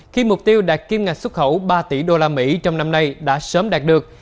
khi mục tiêu đạt kim ngạch xuất khẩu ba tỷ đô la mỹ trong năm nay đã sớm đạt được